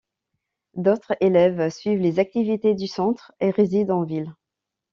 D'autres élèves suivent les activités du centre et résident en ville.